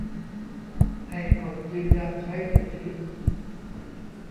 ให้กดยืนยันใช้สิทธิ